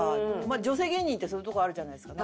女性芸人ってそういうとこあるじゃないですか。